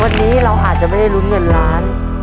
วันนี้เราอาจจะไม่ได้ลุ้นเงินล้าน